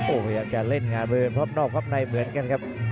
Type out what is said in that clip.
โอ้ยอยากจะเล่นงานเป็นภาพนอกภาพในเหมือนกันครับ